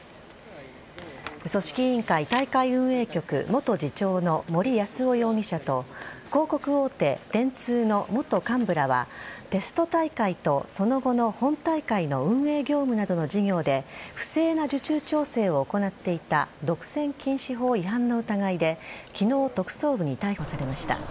組織委員会大会運営局元次長の森泰夫容疑者と広告大手・電通の元幹部らはテスト大会とその後の本大会の運営業務などの事業で不正な受注調整を行っていた独占禁止法違反の疑いで昨日、特捜部に逮捕されました。